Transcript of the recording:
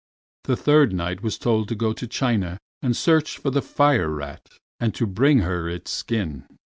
The Third Knight was told to go to China and search for the fire rat and to bring her its skin.